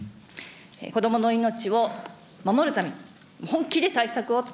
子どもの命を守るために、本気で対策を。